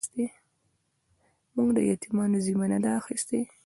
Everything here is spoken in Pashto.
موږ د يتيمانو ذمه نه ده اخيستې.